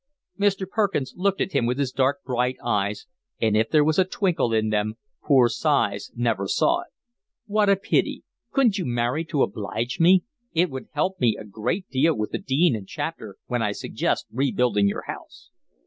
Mr. Perkins looked at him with his dark, bright eyes, and if there was a twinkle in them poor Sighs never saw it. "What a pity! Couldn't you marry to oblige me? It would help me a great deal with the Dean and Chapter when I suggest rebuilding your house."